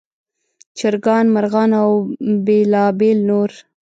چرګان، مرغان او بېلابېل نور.